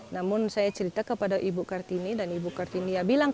namun saya cerita kepada ibu kartini dan ibu kartinia bilang